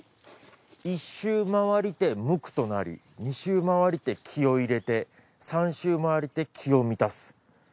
一周廻りて無垢となり二周廻りて気を入れて三周廻りて気を満たす。